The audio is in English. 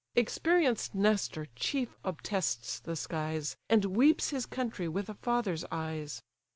Experienced Nestor chief obtests the skies, And weeps his country with a father's eyes.